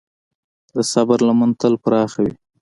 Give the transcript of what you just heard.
د صبر لمن تل پراخه وي.